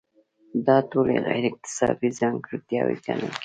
دا ټولې غیر اکتسابي ځانګړتیاوې ګڼل کیږي.